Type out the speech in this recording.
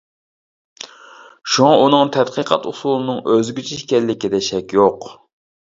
شۇڭا ئۇنىڭ تەتقىقات ئۇسۇلىنىڭ ئۆزگىچە ئىكەنلىكىدە شەك يوق.